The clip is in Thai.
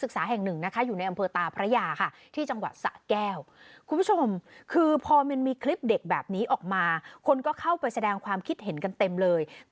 คือพอมีคลิปเด็กแบบนี้ออกมาคนก็เข้าไปแสดงความคิดเห็นกันเต็มเลย